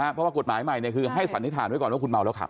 เพราะว่ากฎหมายใหม่คือให้สันนิษฐานไว้ก่อนว่าคุณเมาแล้วขับ